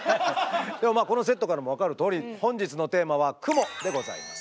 このセットからも分かるとおり本日のテーマは「クモ」でございます。